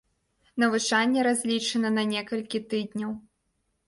Навучанне разлічана на некалькі тыдняў.